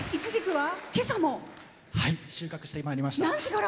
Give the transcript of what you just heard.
収穫してまいりました。